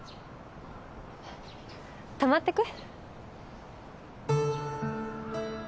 泊まってく？